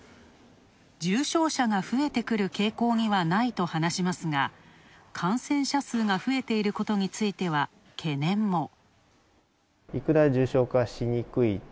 重症者が増えてくる傾向にはないと話しますが、感染者数が増えていることについては懸念も。